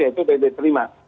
ya itu dari kelima